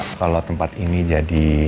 kamu suka gak kalo tempat ini jadi